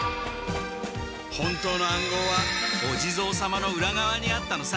本当の暗号はお地蔵様のうらがわにあったのさ！